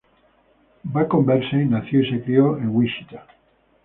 Bacon-Bercey nació y se crio en Wichita.